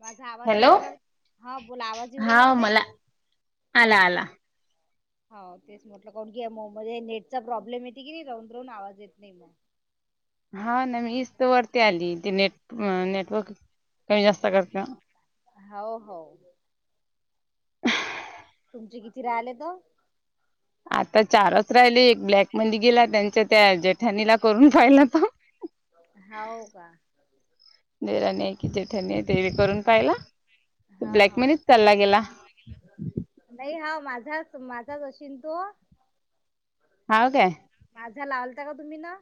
माझा आवाज येऊ हॅलो राहिला का, हा बोला आवाज येऊ हा राहिला का ताई? मला आला आला. हो तेच म्हटलं कारण कीया मो मध्ये नेटचा प्रॉब्लेम येते की नाही, राहून राहून आवाज येत नाही मग. [inaudible] हा ना मीच तर वरती आली ते नेट नेटवर्क कमी जास्त करत. हो हो. [unintelligible] तुमचे किती राहिलेत? आता चारच राहिले एक ब्लॅक मध्ये गेला त्यांच्या त्या जेठानीला करून पाहिला तो. हाव का. निराणी कि जेठ्याणी ते करून पाहियला. हा. हा. नाही हा माझाच माझाच अशीन तो. हा काय. माझ्या लावलता का तुम्ही ना?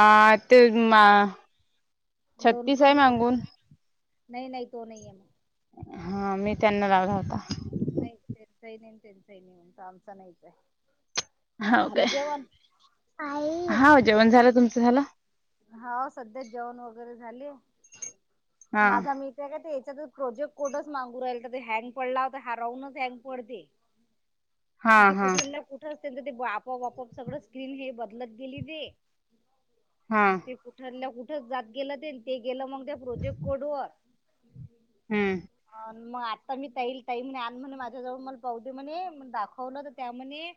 अ ते मा छत्तीस लोणकर आहे मागून. लोणकर नाही नाही तो नाहीय मग. ह मी त्यांना लावला होता. नाही त्यांचही नाही त्यांचही नाही म्हणत आमचा नाहीच आहे झालं जेवण. हा जेवण झालं, तुमचं झाला? हाव सध्या जेवण वगैरे झाले, हा माझा मी त्याज्यात याच्यात प्रोजेक्ट कोडच मागू राहिलतं ते, हँग पडला होता हा रावूनच हँग पडते. हा म ते हा कुठलल्या कुठ ते आपोआप सगळ स्किल हे बदलत गेली ते हा आणि ते. ठरल्या कुठ जात गेलं ते ते गेलं मग त्या प्रोजेक्ट कोडवर. हम्म. अ मग आत्ता मी तईल ताईल मी आण म्हणे माझ्याजवळ मला पावती म्हणे, दाखवलं तर त्या म्हणे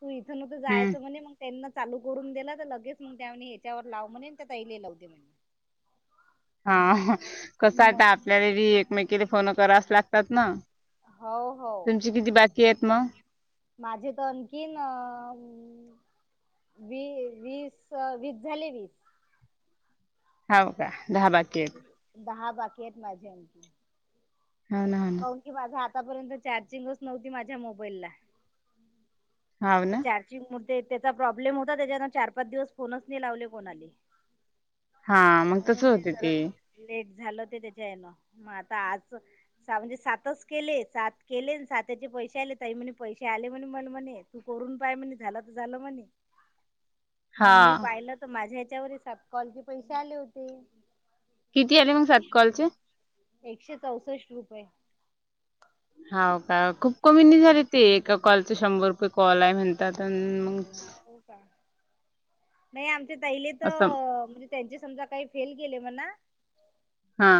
तू इथून मात्र हम्म जायचं म्हणे म त्यांना चालू करून दिलं तर लगेच मग त्यानी याच्यावर लाव म्हणेल त्या तैले लाव दे म्हणे. हा कसं आता मग आपल्यालाबी एकमेकीला फोन करावच लागतात ना. हो. हो. तुमची किती बाकी आहेत मग? माझे तर आणखीन अ वी वीस वीस झाले वीस. हो का दहा बाकी. आहेत. दहा बाकी आहेत माझे. [unintelligible] काहून की माझा आतापर्यंत चार्जिंगच नव्हती माझ्या मोबाईलला. हाव ते ना. चार्जिंग हुते त्याचा प्रॉब्लेम होता, त्याच्यानं चार पाच दिवस फोनच नाही लावले कोणाले. हा मग तस म्हणून होते जरा ते. लेट झालं ते, त्याच्या यायला मग आता आज सुटतोय. म्हणजे सातच केले सात केले साताचे पैसे आले ताई म्हणे पैसे आले म्हणे मन म्हणे. तू करून पाय म्हणे, झालं तर झालं म्हणे हा मग मी पाहिलं. तर माझ्या ह्याच्यावर, सात कॉलचे पैसे आले होते. किती आले मग? सात कॉलचे. एकशे चौसष्ट रुपये. हा का खूप कमी निघाले ते एका कॉलच शंभर रुपये. कॉलय म्हणतात मग चल हो का? नाही आमच्या ताईलेच असं म्हणजे. तर याचे समजा काही फेल गेले म्हणा. हा.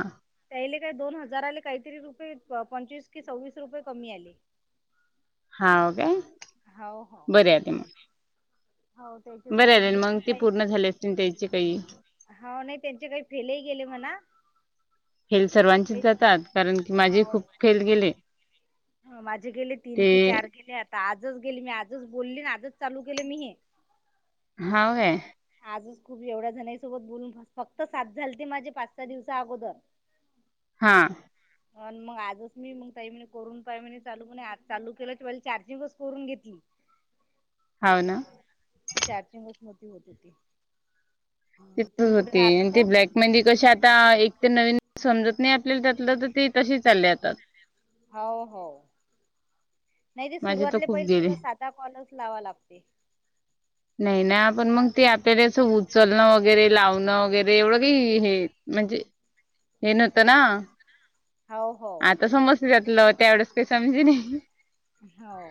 त्याले काय दोन हजाराले काहीतरी रुपये, पंचवीस की सव्वीस रुपये कमी आले. हाव काय? हो हो हो. त्याचे झाले बरंर पूर्ण मग ते पूर्ण झाले असतील, त्याचे काही. हो नाही त्यांचे काही फेलही गेले म्हण. फेल सर्वांचीच जातात, कारण की माझे खूप फेल गेले. ह माझे गेले तीन ते की चार केले आता आजच गेली मी आजच बोलली आजच चालू केलं मी हे. हाव काय? आजच खूप एवढ्या जणईसोबत बोलून फक्त सात झालते माझे पाच सहा दिवसा अगोदर. [unintelligible] हां. [inaudible] आणि मग आजच मी मग ताई, म्ह करून पाय म्ह चालू म्हणे आज चालू केल्या चार्जिंगच करून घेतली. [inaudible] हाव ना? ती चारशेवीस मधली होती ती. तिथं होते, आणि ते ब्लॅक म्हणजे कसे आता एक तर नवीन समजत नाही, आपल्याला त्यातलं तर ते तसे चालले आता. हो हो, नाही ते माझे तर सुरुवातले खूप पहिले गेले तस साधा कॉलच लावा लागते नाही ना आपण सा मग ते आपल्याला असं उचलणं मग. वगैरे लावणं वगैरे एवढं काही हे म्हणजे. हे नव्हतं ना हो हो आता समज घेतलं होतं अडतीस आणि की नई. हो.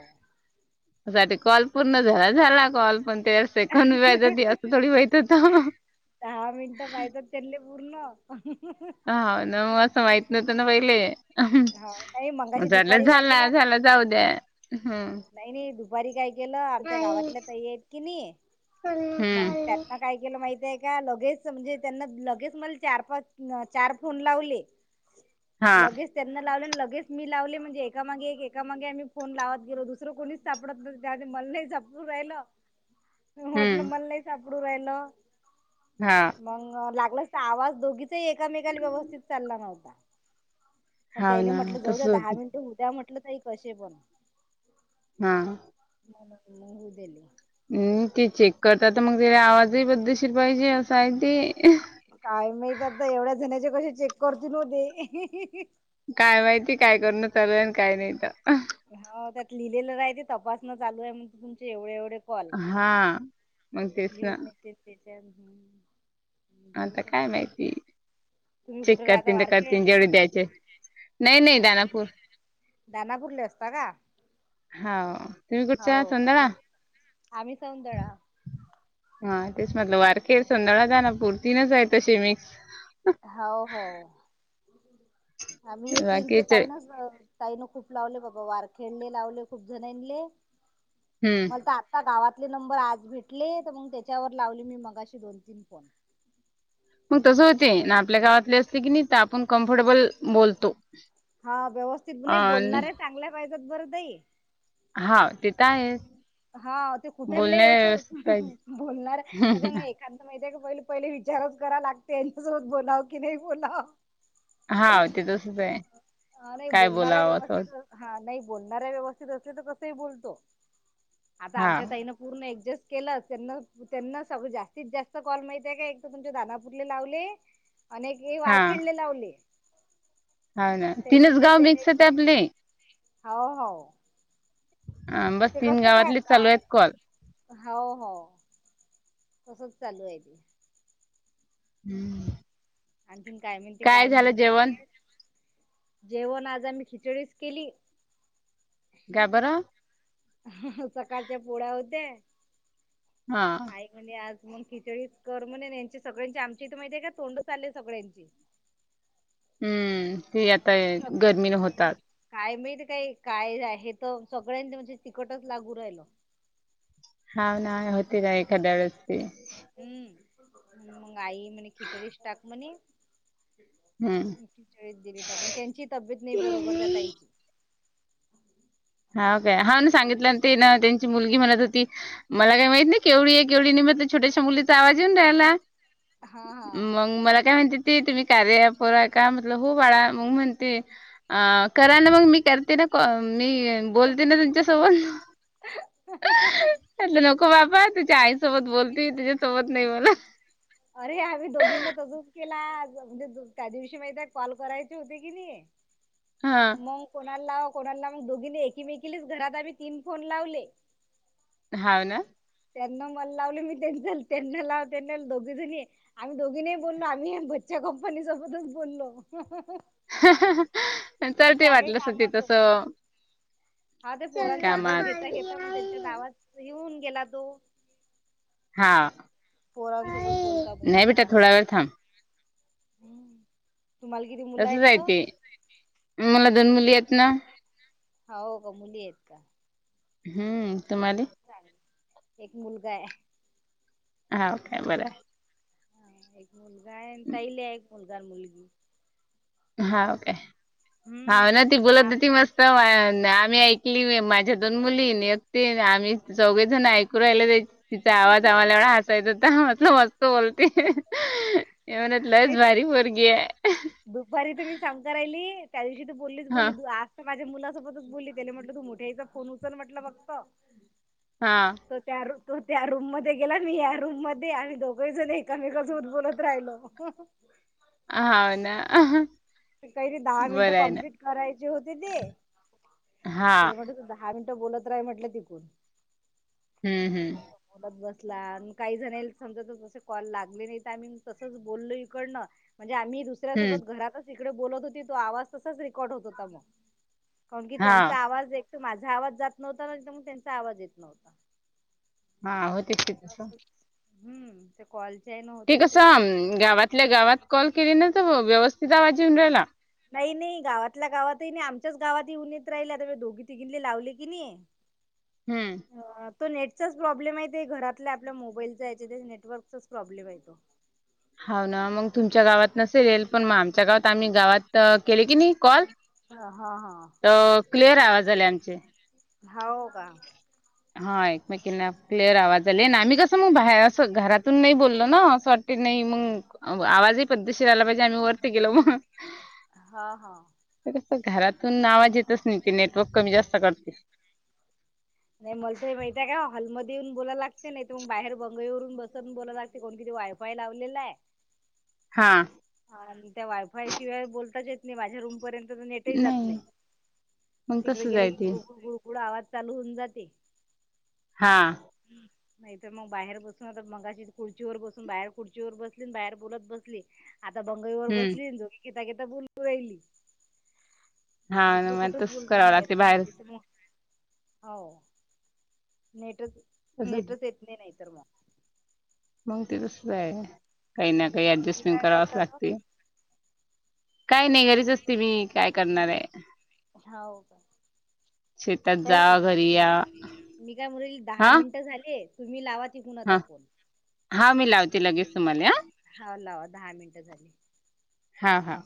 [inaudible] सा कॉल पूर्ण झारा झाला कॉल पण त्या सेकंड व्याजी असं थोडी माहत होत. दहा मिनिट पाहतात, त्याल्ले पूर्ण ह न मग असं माहित नव्हतं न पहिले, हो नाही मंगाशी झालं दुपारी काय झाला केलं झाला. जाऊ द्या हम्म. नाही नाही दुपारी काय केलं आमच्या गावातल्या तही आहेत की नाही मग हम्म त्याना काय केलं माहती आहे का लगेच म्हणजे त्यांना लगेच मला चार पाच चार फोन लावले. हा लगेच. त्यांना लावले आणि लगेच मी लावले म्हणजे एकामागे एक एकामागे आम्ही फोन लावत गेलो, दुसरं कोणी सापडत त्या मल नाही सपडून राहिल. टल हम्म, मन नाहीई सापडू राहिल. हा. मग लागलंच तर आवाज दोघीचही एकामेकाला व्यवस्थित चालला नव्हता. पण हाव त्याले ना, म्हटलं जाऊ द्या तसंच दहा होतं. मिनिटं होऊद्या म्हटलं ताई कसे पण. हा. मग मग होऊ दिले. हम् ते चेक करत तर मग तला आवाजही बद्दलशीर पाहिजे असं आहे ते. काय माहित आता एवढ्या जण्याचे कसे चेक करतील ओ ते? काय माहिती काय करण चालू आणि काय नाही तर. हो त्यात लिहिलेलं आहे ते तपासंन चालू आहे मग तुमचे एवढे एवढे कॉल. हा. [unintelligible] आता द्या. काय माहिती. तुम्ही चेक कुठे राहता करतील ते वारखेड करतील जेवढे द्यायचे, नाही नाही हो दानापूर. दानापूरले असते का? हाव. होव आणि आम्ही सौंदळा. हा तेच म्हटलं वारके, संधळा, जानापुर तिनच आहे तसे मी हो हो आ्ही ये तन ते बाकीचे तई नाच. ताईन खूप लावले बाबा वार खेळले लावले खूप जणले हं, मल तात. आता गावातले नंबर आज भेटले, तर मग त्याच्यावर लावले मी मगाशी दोन तीन फोन. मग तसं होते ना आपल्या गावातले असते की नाही तर आपण कम्फर्टेबल बोलतो. हा व्यवस्थित. नाही आणि बोलणाऱ्या चांगल्या पाहिज्या बरं ताई. हा ते तर आहेच. हा ते कुठलले बोलण्याला असो व्यवस्थित पाहिजे. बोलणार. नाही तर मग एक [unintelligible] माहितीय का पहिले पहिले विचारच करावं लागते. यांच्यासोबत बोलावं की नाही बोलावं. हाव ते तसंच आहे. हा नाही काय बोलणार आहे बोलावं असं व्यवस्थितच हा नाही बोलणाऱ्या व्यवस्थित असल्या तर कसही बोलतो आता आमच्या हाव. तईन. पूर्ण ऍडजस्ट केलं. त्यांना त्यांना सगळं जास्तीत जास्त कॉल माहिती आहे का एक तर तुमच्या दानापुरले लावले. अनेक वार खेळले लावले. हा ना त्याचे तीनच गाव मिक्स आहेत आपले. हाव हाव. ह बस तीन आहे गावातलेच चालू काय आहेत कॉल. हो हो तसंच चालू आहे ते. हम्म. आणखीन काय म्हण काय मुलं किती जेवण? आहे जेवण आज आम्ही खिचडीच केली. का बर? ह सकाळच्या पोळ्या होत्या. हा. आई म्हणे आज मग खिचडीच कर म्हणे आणि यांची सगळ्यांची आमची इथं माहितीे का तोंड चालले सगळ्यांची. हम्म यात. [inaudible] काय माहित काय काय हे तर सगळ्यांच म्हणजे तिकटच लागू राहिलं. हाव ना होत एखाद्या वेळेस ते. हम्म मग आई म्हणे खिचडी स टाक म्हणे. हं. ठीळी दिली टाकून त्यांची तब्येत नाही बरोबर त्यात आणि. द्यायची. हांव काय हांव ना सांगितलं ते न त्यांची मुलगी म्हणत होती. मला काय माहित नाही केवढी आहे. केवढी नाही छोट्याशा मुलीचा आवाज येऊन राहिला. हा हा मगं मला काय म्हणती. ते तुम्ही कार्य अँप वर आहे का, म्हटलं हो बाळा मग म्हणते. अ करा ना मग मी करते ना काॅल. अ मी बोलते ना तुमच्या सोबत. नको बाबा तुझ्या आईसोबत बोलती तुझ्यासोबत नाही बोल. अरे या हवी दोघींना तसंच. केला म्हणजे त्या दिवशी माहिती कॉल करायची होते कणी. हा मग कोणाला लाव कोणाला मग दोघीनी एकीमेकीला घरात आम्ही तीन फोन लावले. हांव न. त्यांना मला लावलं. मी त्यां त्यांना लाव त्यांना दोघे जणी. आम्ही दोघी नाही बोलो आम्ही बच्चे कंपनी सोबतच बोलो. नंतर ते वाटलंस ते कामात तसं. हा ते पोरांचा अभ्यास कामात घेता घेता मग, त्यांच्या गावात येेऊन गेला तो. हां. पोरान सोबत बोलता बोलता. थोडा वेळ थांब तुम्हाला किती मुलं आहेत तसंच आहे तर ते मला दोन मुली आहे ना. हा हो का मुली आहेत का. हम्म तुम्हाले. एक मुलगा हाय. हांव का बरं हाय. आहे एक मुलगा आहे ताईला ये एक मुलगा आणि मुलगी. हांव काय हम्म हांव ना ती बोलत होती मस्त. त आम्ही ऐकली नाही माझ्या दोन मुली अन ती एक आम्ही चौघेजण ऐकू राहियले. तिचा आवाज आम्हाला एवढा हासायचा होता हसलो मग. बोलते हे म्हणत लैच नाही भारी पोरगी ये. दुपारी तर मी समकार राहिली. त्या दिवशी तर बोलीस बोली हं आ.. माझ्या मुलासोबतच बोलली तेले म्हटलं तू मोठ्या आईचा फोन उचल म्हटलं फक्त. हां. तो त्या तो त्या रूम मध्ये गेला. मी या रूम मध्ये आम्ही दोघही जण एकामेका सोबत बोलत राहिलो. अहहहहहह. हांव ना. काही तरी दहा मिनटं बरं आहे ना. कम्पलीट करायचे होते. हां. त्याला म्हटलं तु दहा. दहा मिनटं बोलत राहील म्हटलं तिकून. हं, हं. बोलत बसला आणि काही जनाला समजा जर कॉल लागले नाही. तर आम्ही तसंच बोलो हिकडनं. म्हणजे आम्ही हं. दुसऱ्यासोबत घरातच इकडे बोलत होती. तो आवाज तसाच रेकॉर्ड होत होता मग. कारण की हां. त्यांचा आवाज एक तर माझा आवाज जात नव्हता मग त्यांचा आवाज येत नव्हता. हा होतीस ती तसं. हम्म. ते कॉलचे हेन होतेच ते सेव. कुठल्या गावात कॉल केली नव्हत मग व्यवस्थित आवाज येऊन राहिला. नाही नाही गावातल्या गावातही नाही आमच्याच गावातही येऊन येत राहिल्या तरता दोघी तिघिनले लावले कणी. [inaudible] हम्म. तो नेटचाच प्रॉब्लेम आहेे. घरातल्या आपल्या मोबाईलचा याच्या त्या नेटवर्कचाच प्रॉब्लेम आहे तो. हांव ना मग तुमच्या गावात नसेल. पण मग आमच्या गावात आम्ही गावात केले की नाही कॉल. हा हा हा. अ.. क्लिअर आवाज झाले आमचे. हांव का. हा एकमेकींना क्लिअर आवाज झाले. आम्ही कसं मग बार नाही बोललो ना घरातून असं वाटतं. नाही मग आवाजही पद्धत शीर आला पाहिजे. आम्ही वरती गेलो मग. हा हा. असं कसं घरातून आवाज येतच नाही. ते नेटवर्क कमी जास्त करते. नाही मला तरी माहितय का हॉलमध्ये येऊन बोलाय लागते. नाही ते मग बाहेर बंगईवरून बसवून बोला लागते. ते कोण किती वायफाय लावलेलाय. हा. हा त्या वायफाय शिवाय बोलताच येत नाही. माझ्या रूमपर्यंत तर नेटही जात नाही. मग तिकडे तसच गेले आहे की ते गुळगुळ गुळगुळ आवाज चालू होऊन जाते. हा. हम्म. नाही तर मग बाहेर बसून आता मगाशी कुडचीवर बसून बाहेर कुडचीवर बसली बाहेर बोलत बसली. आता बंगईवर हम्म बसली आणि झोके घेता घेता बोलू राहिली. हा ना दुसरं मगं कुठंच तसंच बोलता करावं नाही लागते येत बाहेर. नाही हो हांव‌ नेटच तसच नेटच येतं. ने नाही तर मग. मग ते तसं आहे. काही ना काही तुम्ही अऍडजस्टमेंट काय करावच करतात ओ? लागते. काय नाही घरीच असते मी, काय करणार आहे. हांव का. शेतात जा ताई घरी या मी काय म्हणाले दहा हा मिनिटे झालेत. तुम्ही लावा तिकून आता हा. फोन. हा मी लावते लगेच तुम्हाला हा लावा दहा मिनिटं झाली. हा हा.